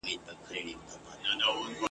په مایکروفون کي یې ویلی دی ..